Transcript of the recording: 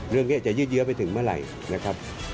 เรื่องนี้อาจจะยืดเยอะไปถึงเมื่อไหร่